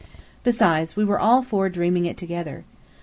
Besides, we were all four dreaming it together.